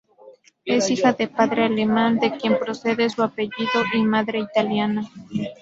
Es hija de padre alemán, de quien procede su apellido, y madre italiana.